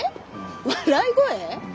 笑い声？